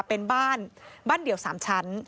เป็นบ้านบ้านเดี่ยว๓ชั้น